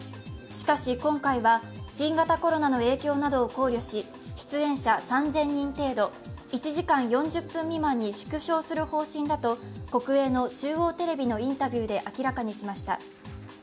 しかし今回は、新型コロナの影響などを考慮し、出演者３０００人程度、１時間４０分未満に縮小する方針だと国営の中央テレビのインタビューで明らかにしました。